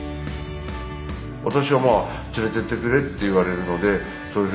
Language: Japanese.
私はまあ連れてってくれって言われるのでただね